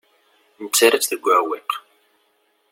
Nettarra-tt deg uɛewwiq.